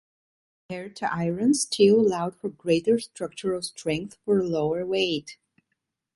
Compared to iron, steel allowed for greater structural strength for a lower weight.